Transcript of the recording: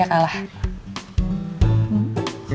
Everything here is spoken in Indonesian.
weil bingung tadi